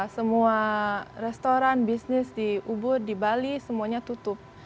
semua restoran bisnis di ubud di bali semuanya tutup